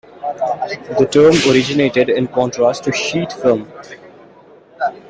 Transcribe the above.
The term originated in contrast to sheet film.